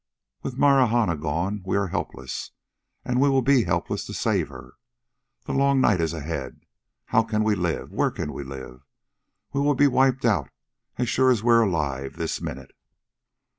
With Marahna gone we are helpless, and we will be helpless to save her. The long night is ahead. How can we live? Where can we live? We will be wiped out as sure as we're alive this minute.